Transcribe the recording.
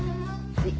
はい。